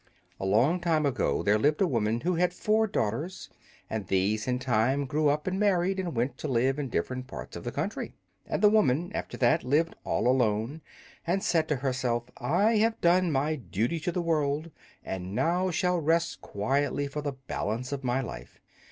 A LONG time ago there lived a woman who had four daughters, and these in time grew up and married and went to live in different parts of the country. And the woman, after that, lived all alone, and said to herself, "I have done my duty to the world, and now shall rest quietly for the balance of my life.